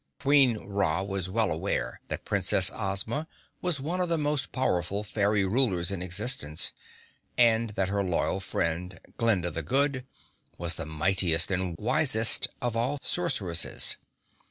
Queen Ra was well aware that Princess Ozma was one of the most powerful fairy rulers in existence, and that her loyal friend, Glinda the Good, was the mightiest and wisest of all sorceresses.